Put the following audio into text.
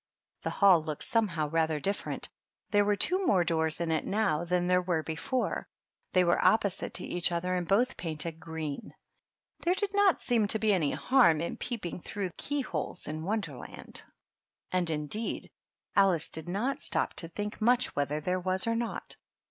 The hall looked somehow rather different : there were two more doors in it now than there were before; they were opposite to each other and both painted green. There did not seem to be any harm in peeping through key holes in Wonderland ; and, indeed, Alice did not stop to think much whether there was or not.